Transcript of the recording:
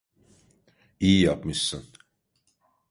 İyi yapmışsın.